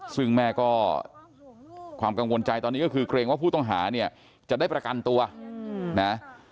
ซึ่งแม่ก็ความกังวลใจตอนนี้ก็คือเกรงว่าผู้ต้องหาเนี่ยจะได้ประกันตัวนะ